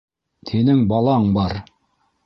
Һинең балаң бар!